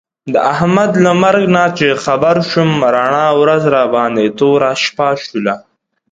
د احمد له مرګ نه چې خبر شوم، رڼا ورځ راباندې توره شپه شوله.